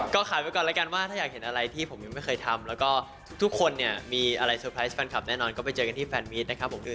ก็ขายไว้ก่อนแล้วกันว่าถ้าอยากเห็นอะไรที่ผมยังไม่เคยทำแล้วก็ทุกคนเนี่ยมีอะไรเซอร์ไพรส์แฟนคลับแน่นอนก็ไปเจอกันที่แฟนมีดนะครับผม